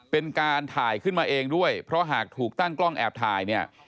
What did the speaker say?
เป็นการถ่ายขึ้นมาเองด้วยเพราะหากถูกตั้งกล้องแอบถ่ายเนี่ย